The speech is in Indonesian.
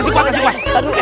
masih kuat masih kuat